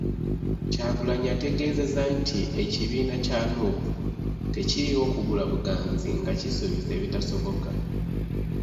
Kyagulanyi ategeezezza nti ekibiina kya Nuupu, tekiriiwo kugula buganzi nga kisuubiza ebitasoboka.